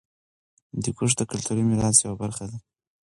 هندوکش د کلتوري میراث یوه برخه ده.